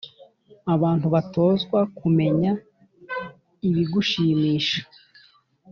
abantu batozwa kumenya ibigushimisha,